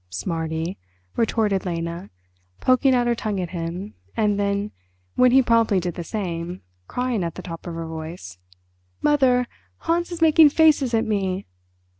"Smarty!" retorted Lena, poking out her tongue at him, and then, when he promptly did the same, crying at the top of her voice, "Mother, Hans is making faces at me!"